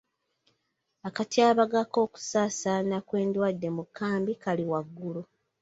Akatyabaga k'okusaasaana kw'endwadde mu nkambi kali waggulu.